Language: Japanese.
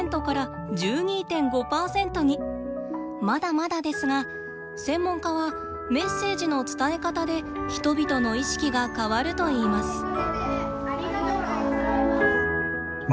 まだまだですが専門家はメッセージの伝え方で人々の意識が変わるといいます。